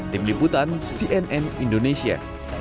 tim liputan cnn indonesia